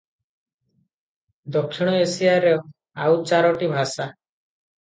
ଦକ୍ଷିଣ ଏସିଆର ଆଉ ଚାରୋଟି ଭାଷା ।